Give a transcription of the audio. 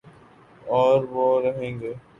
اوروہ رہیں گے